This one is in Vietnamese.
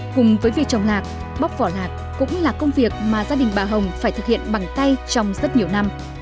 cùng với việc trồng lạc bóc vỏ lạc cũng là công việc mà gia đình bà hồng phải thực hiện bằng tay trong rất nhiều năm